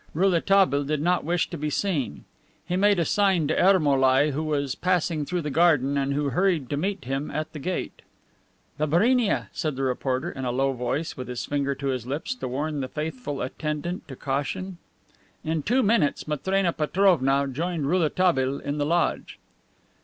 Rouletabille did not wish to be seen. He made a sign to Ermolai, who was passing through the garden and who hurried to meet him at the gate. "The Barinia," said the reporter, in a low voice and with his finger to his lips to warn the faithful attendant to caution. In two minutes Matrena Petrovna joined Rouletabille in the lodge.